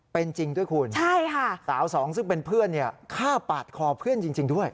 เป็นจริงด้วยคุณใช่ค่ะสาวสองซึ่งเป็นเพื่อนฆ่าปาดคอเพื่อนจริงด้วย